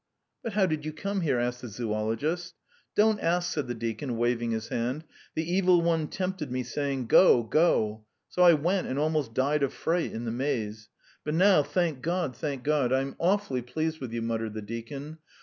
"But how did you come here?" asked the zoologist. "Don't ask," said the deacon, waving his hand. "The evil one tempted me, saying: 'Go, go. ...' So I went and almost died of fright in the maize. But now, thank God, thank God. ... I am awfully pleased with you," muttered the deacon.